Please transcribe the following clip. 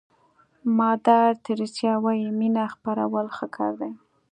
مادر تریسیا وایي مینه خپرول ښه کار دی.